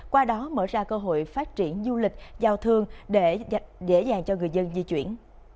qua đó mở ra cơ hội phát triển du lịch giao thương để dễ dàng cho người dân di chuyển